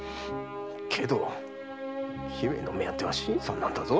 けど姫の目当ては新さんなんだぞ。